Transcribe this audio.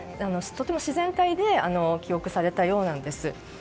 とても自然体で記憶されたようなんです。